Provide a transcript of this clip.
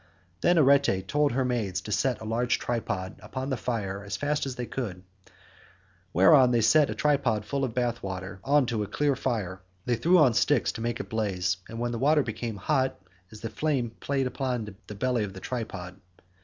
70 Then Arete told her maids to set a large tripod upon the fire as fast as they could, whereon they set a tripod full of bath water on to a clear fire; they threw on sticks to make it blaze, and the water became hot as the flame played about the belly of the tripod.